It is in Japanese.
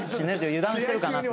油断してるかなと。